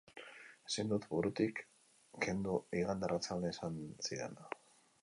Ezin dut burutik kendu igande arratsaldean esan zidana.